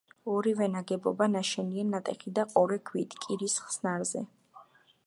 ორივე ნაგებობა ნაშენია ნატეხი და ყორე ქვით, კირის ხსნარზე.